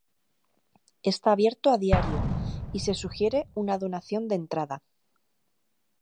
Está abierto a diario y se sugiere una donación de entrada.